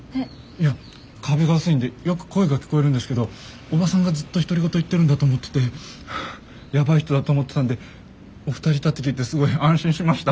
いや壁が薄いんでよく声が聞こえるんですけどおばさんがずっと独り言言ってるんだと思っててヤバい人だと思ってたんでお二人いたって聞いてすごい安心しました。